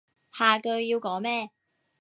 下句要講咩？